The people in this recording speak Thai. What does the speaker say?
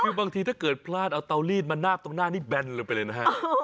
คือบางทีถ้าเกิดพลาดเอาเตาลีดมานาบตรงหน้านี่แบนลงไปเลยนะฮะ